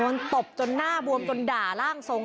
ตบจนหน้าบวมจนด่าร่างทรง